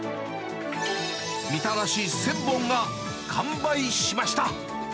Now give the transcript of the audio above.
みたらし１０００本が完売しました。